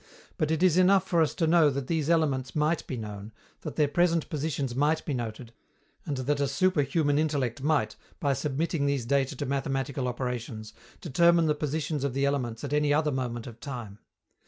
But it is enough for us to know that these elements might be known, that their present positions might be noted, and that a superhuman intellect might, by submitting these data to mathematical operations, determine the positions of the elements at any other moment of time.